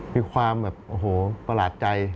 มีความประหลาดใจ